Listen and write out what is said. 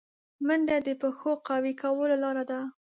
منډه د پښو قوي کولو لاره ده